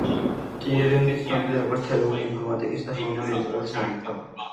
ტიურინგი ცნობილია, როგორც თეორიული ინფორმატიკისა და ხელოვნური ინტელექტის მამამთავარი.